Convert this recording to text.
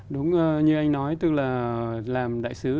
đúng như anh nói tức là làm đại sứ